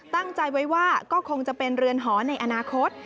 ตั้งใจไว้ว่าก็คงจะเป็นเรือนหอในอนาคต